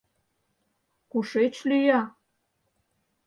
Кушеч лӱя?